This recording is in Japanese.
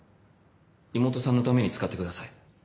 妹さんのために使ってください。